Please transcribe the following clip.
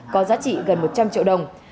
có giá trị gần một trăm linh triệu đồng